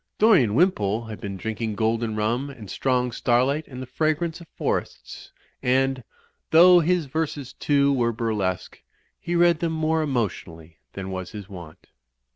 Dorian Wimpole had been drinking golden rum and strong starlight and the fragrance of forests ; and, though his verses, too, were burlesque, he read them more emotionally than was his wont.